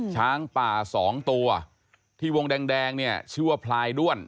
ช้างป่าสองตัวที่วงแดงเนี่ยชื่อว่าพลายด้วน